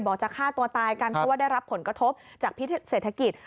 จะฆ่าตัวตายกันเพราะว่าได้รับผลกระทบจากเศรษฐกิจ